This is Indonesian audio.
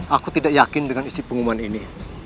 aku tidak yakin dengan isi pengumuman ini